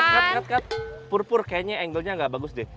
cut cut cut cut pur pur kayaknya angle nya gak bagus deh